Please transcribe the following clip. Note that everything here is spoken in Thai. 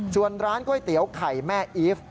ส่วนร้านก๋วยเตี๋ยวไข่แม่อีฟ